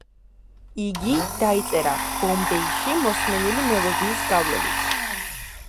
იგი დაიწერა ბომბეიში მოსმენილი მელოდიის გავლენით.